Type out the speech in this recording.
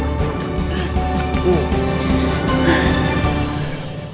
aku bisa jalan